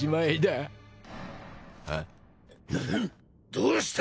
どうした？